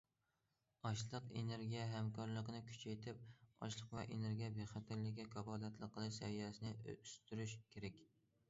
ئاشلىق، ئېنېرگىيە ھەمكارلىقىنى كۈچەيتىپ، ئاشلىق ۋە ئېنېرگىيە بىخەتەرلىكىگە كاپالەتلىك قىلىش سەۋىيەسىنى ئۆستۈرۈش كېرەك.